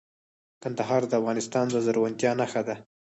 کندهار د افغانستان د زرغونتیا نښه ده.